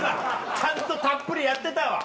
ちゃんとたっぷりやってたわ。